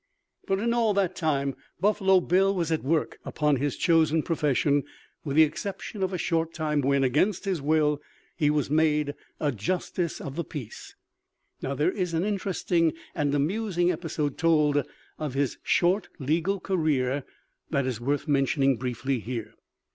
But in all that time Buffalo Bill was at work upon his chosen profession, with the exception of a short time when, against his will, he was made a justice of the peace. There is an interesting and amusing episode told of his short legal career that is worth mentioning briefly here.